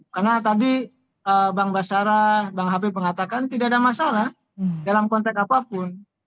karena tadi bang basara bang habib mengatakan tidak ada masalah dalam konteks apapun